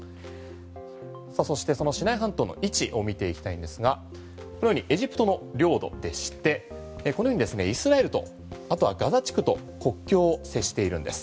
そして、そのシナイ半島の位置を見ていきたいんですがエジプトの領土でしてこのようにですねイスラエルとあとはガザ地区と国境を接しているんです。